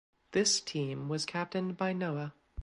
This team was captained by Noah.